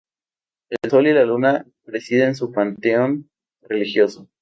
El sol y la luna presiden su panteón religioso.